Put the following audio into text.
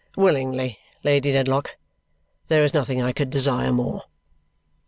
"Willingly, Lady Dedlock. There is nothing I could desire more."